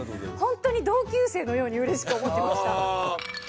本当に同級生のようにうれしく思ってました。